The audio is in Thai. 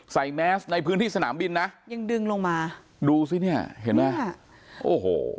แมสในพื้นที่สนามบินนะยังดึงลงมาดูสิเนี่ยเห็นไหมค่ะโอ้โห